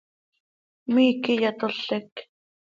Miiqui yatolec.